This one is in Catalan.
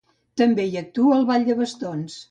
També hi actua el ball de bastons.